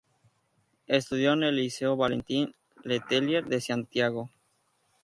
Estudió en el Liceo Valentín Letelier de Santiago.